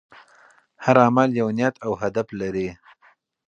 هر عمل یو نیت او هدف لري.